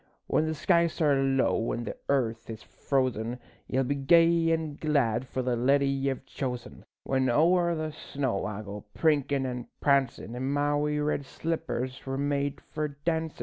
When the skies are low an' the earth is frozen, Ye'll be gay an' glad for the leddie ye've chosen, When ower the snow I go prinkin' an' prancin' In my wee red slippers were made for dancin'.